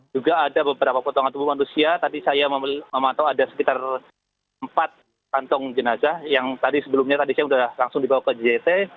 juga ada beberapa potongan tubuh manusia tadi saya memantau ada sekitar empat kantong jenazah yang tadi sebelumnya tadi saya sudah langsung dibawa ke jt